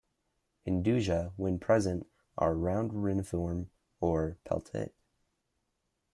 Indusia, when present, are round-reniform or peltate.